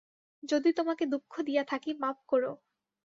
যদি তোমাকে দুঃখ দিয়া থাকি, মাপ করো।